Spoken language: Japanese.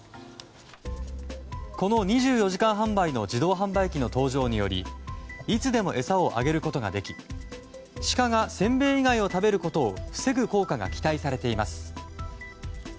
この２４時間販売の自動販売機の登場によりいつでも餌をあげることができ鹿がせんべい以外を食べることを防ぐ効果が期待されています。